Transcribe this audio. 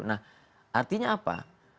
nah artinya apa